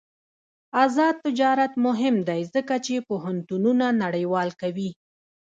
آزاد تجارت مهم دی ځکه چې پوهنتونونه نړیوال کوي.